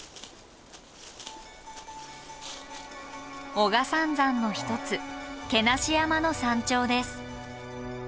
男鹿三山の一つ毛無山の山頂です。